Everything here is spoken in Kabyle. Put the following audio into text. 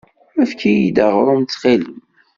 Efk-iyi-d aɣrum ttxil-m.